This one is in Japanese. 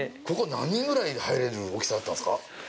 ここ、何人ぐらい入れる大きさだったんですか？